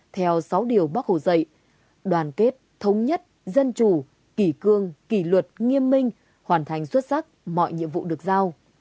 theo sáu điều bác hồ dạy đoàn kết thống nhất dân chủ kỷ cương kỷ luật nghiêm minh hoàn thành xuất sắc mọi nhiệm vụ được giao